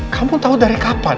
kamu tahu dari kapan